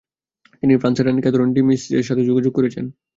তিনি ফ্রান্সের রানী ক্যাথরিন ডি 'মেডিসির সাথে যোগাযোগ করেছেন।